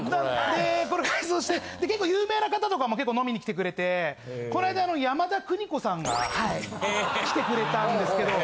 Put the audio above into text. でこれ改装して結構有名な方とかも飲みに来てくれてこないだ山田邦子さんがはい来てくれたんですけど。